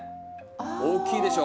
大きいでしょ？